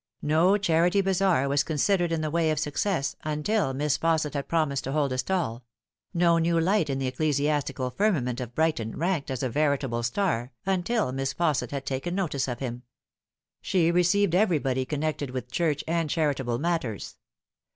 No charity bazaar was considered in the way of success until Miss Fausset had promised to hold a stall ; no new light in the ecclesiastical firmament of Brighton ranked as a veritable star until Miss Fausset had taken notice of him. She received everybody con nected with Church and charitable matters.